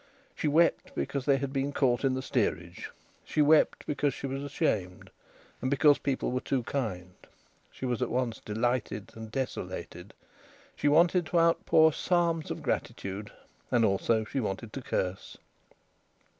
She wept because they had been caught in the steerage. She wept because she was ashamed, and because people were too kind. She was at once delighted and desolated. She wanted to outpour psalms of gratitude, and also she wanted to curse.